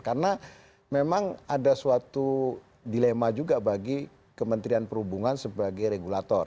karena memang ada suatu dilema juga bagi kementerian perhubungan sebagai regulator